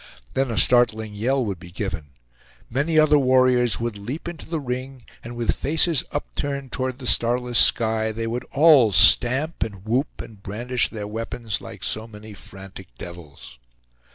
Then a startling yell would be given. Many other warriors would leap into the ring, and with faces upturned toward the starless sky, they would all stamp, and whoop, and brandish their weapons like so many frantic devils.